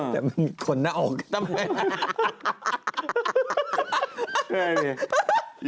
แต่มีขนหน้าอกส์ทำไม